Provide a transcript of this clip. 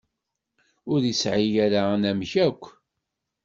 Ur yesɛi ara anamek akk.